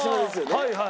はいはい。